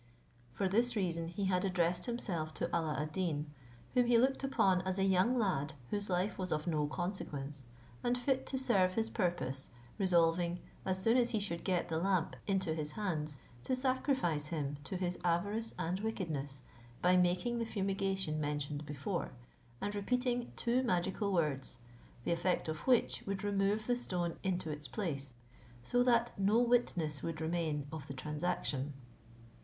For this reason he had addressed himself to Alla ad Deen, whom he looked upon as a young lad whose life was of no consequence, and fit to serve his purpose, resolving, as soon as he should get the lamp into his hands, to sacrifice him to his avarice and wickedness, by making the fumigation mentioned before, and repeating two magical words, the effect of which would remove the stone into its place, so that no witness would remain of the transaction.